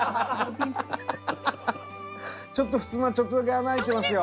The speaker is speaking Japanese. ちょっとふすまちょっとだけ穴開いてますよ。